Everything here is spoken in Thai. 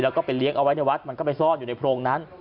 แล้วก็ไปเลี้ยงเอาไว้ในวัดมันก็ไปซ่อนอยู่ในโพรงนั้น